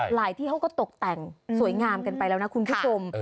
ที่เขาก็ตกแต่งสวยงามกันไปแล้วนะคุณผู้ชม